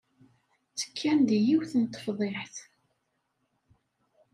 Ttekkan deg yiwet n tefḍiḥt.